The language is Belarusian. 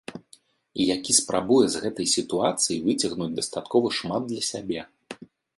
І які спрабуе з гэтай сітуацыі выцягнуць дастаткова шмат для сябе.